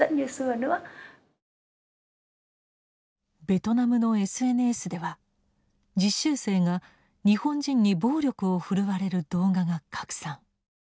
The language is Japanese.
ベトナムのＳＮＳでは実習生が日本人に暴力を振るわれる動画が拡散。